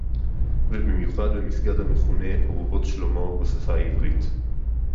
"ובמיוחד במסגד המכונה "אורוות שלמה" בשפה העברית"